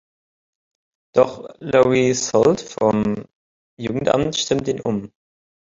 Doch Laurie Solt vom Jugendamt stimmt ihn um.